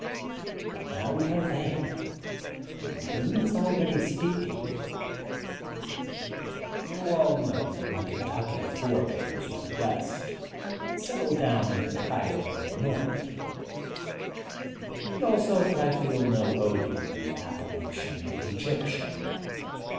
But now we are there, and Boone is already speaking: Tou all know that my Kentucky forbears went west and settled down near Cairo, Illi nois, and also that I feel no odium in the appelation* Egyptian.